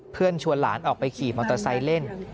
ชวนหลานออกไปขี่มอเตอร์ไซค์เล่น